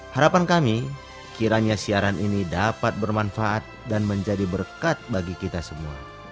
harapan kami kiranya siaran ini dapat bermanfaat dan menjadi berkat bagi kita semua